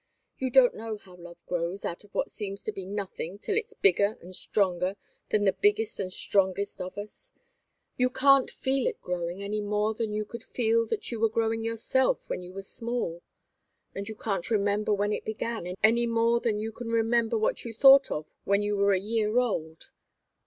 You don't know how love grows out of what seems to be nothing till it's bigger and stronger than the biggest and strongest of us you can't feel it growing any more than you could feel that you were growing yourself when you were small; and you can't remember when it began, any more than you can remember what you thought of when you were a year old.